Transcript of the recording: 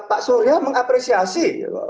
pak surya mengapresiasi